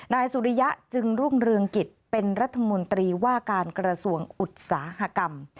นายสุริยะจึงรุ่งเรืองกิจเป็นรัฐมนตรีว่าการกระทรวงอุตสาหกรรม